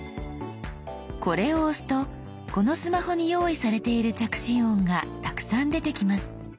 これを押すとこのスマホに用意されている着信音がたくさん出てきます。